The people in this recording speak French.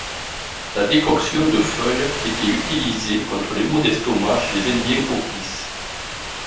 La décoction de feuilles était utilisées contre les maux d'estomac chez les indiens Hopis.